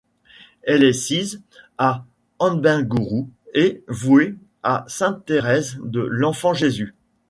Elle est sise à Abengourou et vouée à sainte Thérèse de l'Enfant-Jésus.